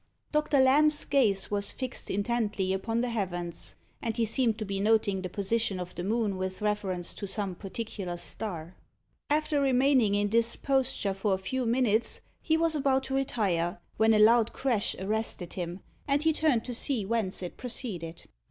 Doctor Lamb's gaze was fixed intently upon the heavens, and he seamed to be noting the position of the moon with reference to some particular star. After remaining in this posture for a few minutes, he was about to retire, when a loud crash arrested him, and he turned to see whence it proceeded.